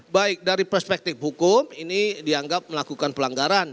baik dari perspektif hukum ini dianggap melakukan pelanggaran